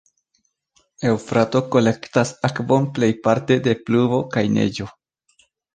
Eŭfrato kolektas akvon plejparte de pluvo kaj neĝo.